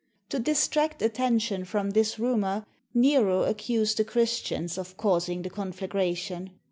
To dis tract attention from this rumor, Nero accused the Christians of causing the conflagration.